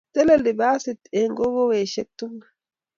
Teleli basit eng kokowoshek tugul